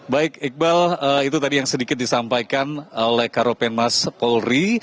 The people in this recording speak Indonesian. baik iqbal itu tadi yang sedikit disampaikan oleh karopen mas polri